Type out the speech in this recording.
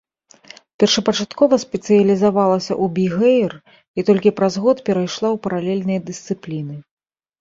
Першапачаткова спецыялізавалася ў біг-эйр і толькі праз год перайшла ў паралельныя дысцыпліны.